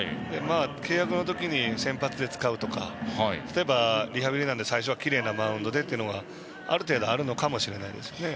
契約の時に先発で使うとか例えば、リハビリなので最初はきれいなマウンドでというのはある程度あるのかもしれないです。